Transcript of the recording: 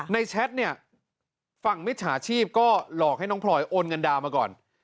แชทเนี่ยฝั่งมิจฉาชีพก็หลอกให้น้องพลอยโอนเงินดาวนมาก่อน